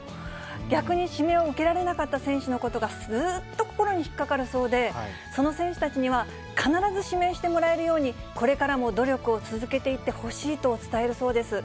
逆に指名を受けられなかった選手のことがずっと心に引っ掛かるそうで、その選手たちには、必ず指名してもらえるように、これからも努力を続けていってほしいと伝えるそうです。